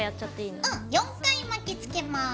うん４回巻きつけます。